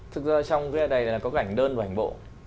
thực ra trong ghế này có cảnh đơn và ảnh bộ